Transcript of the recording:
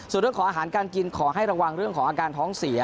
ส่วนเรื่องของอาหารการกินขอให้ระวังเรื่องของอาการท้องเสีย